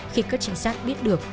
khi các trinh sát biết được